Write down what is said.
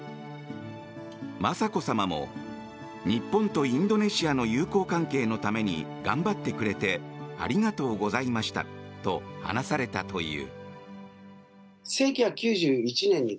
雅子さまも日本とインドネシアの友好関係のために頑張ってくれてありがとうございましたと話されたという。